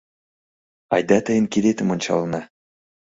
— Айда тыйын кидетым ончалына.